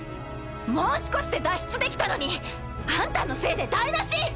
もう少しで脱出できたのにあんたのせいで台なし！